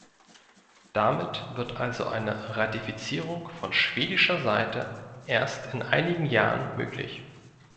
Damit wird also eine Ratifizierung von schwedischer Seite erst in einigen Jahren möglich.